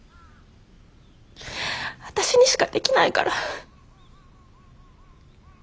私にしかできないから。